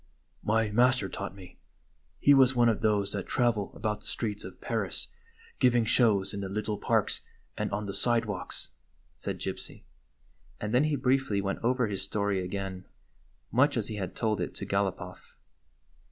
" My master taught me. He was one of those that travel about the streets of Paris giving shows in the little parks and on the sidewalks," said Gypsy ; and then he briefly went over his story again, much as he had told it to Gal op off.